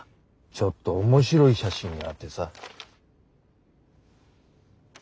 ちょっと面白い写真があってさ。